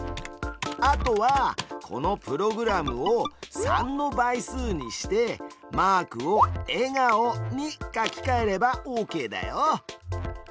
あとはこのプログラムを３の倍数にしてマークを笑顔に書きかえればオーケーだよ。